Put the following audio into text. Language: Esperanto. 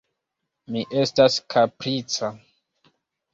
Mi estas kaprica.